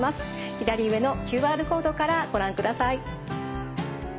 左上のＱＲコードからご覧ください。